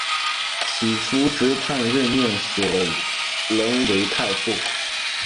乞伏炽磐任命索棱为太傅。